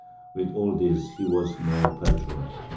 With all this he was no poltroon.